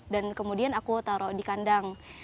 dan kemudian aku taruh di kandang